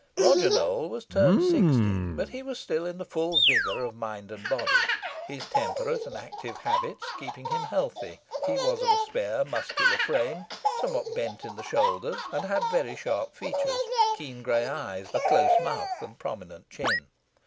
Roger Nowell was turned sixty, but he was still in the full vigour of mind and body, his temperate and active habits keeping him healthy; he was of a spare muscular frame, somewhat bent in the shoulders, and had very sharp features, keen grey eyes, a close mouth, and prominent chin.